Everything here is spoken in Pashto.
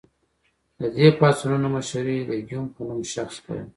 د دې پاڅونونو مشري د ګیوم په نوم شخص کوله.